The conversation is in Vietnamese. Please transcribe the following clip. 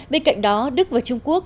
bên cạnh đó đức và trung quốc